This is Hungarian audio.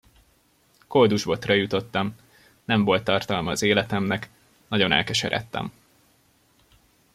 Koldusbotra jutottam, nem volt tartalma az életemnek, nagyon elkeseredtem.